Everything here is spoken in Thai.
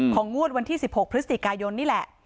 งวดวันที่๑๖พฤศจิกายนนี่แหละ